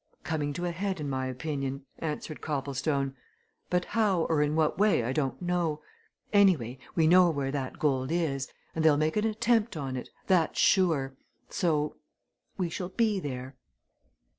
"Coming to a head, in my opinion," answered Copplestone. "But how or in what way, I don't know. Anyway, we know where that gold is and they'll make an attempt on it that's sure! So we shall be there."